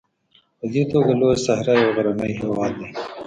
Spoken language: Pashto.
په دې توګه لویه صحرا یو غرنی هېواد دی.